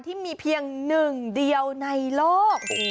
ที่มีเพียงหนึ่งเดียวในโลก